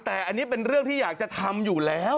แต่อันนี้เป็นเรื่องที่อยากจะทำอยู่แล้ว